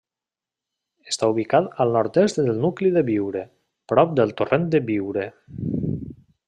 Està ubicat al nord-est del nucli de Biure, prop del torrent de Biure.